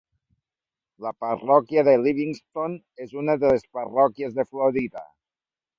La parròquia de Livingston és una de les parròquies de Florida.